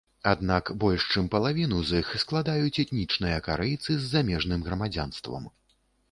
Аднак, больш чым палавіну з іх складаюць этнічныя карэйцы з замежным грамадзянствам.